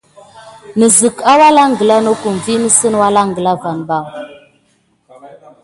Nəzek alangla nokum sam əkayan tive nawrahən ɓa.